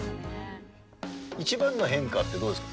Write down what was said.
一番の変化ってどうですか？